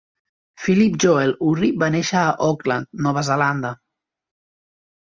Philip Joel Urry va néixer a Auckland, Nova Zelanda.